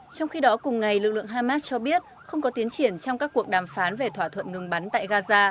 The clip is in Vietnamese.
trong khi đó cùng ngày lực lượng hamas cho biết không có tiến triển trong các cuộc đàm phán về thỏa thuận ngừng bắn tại gaza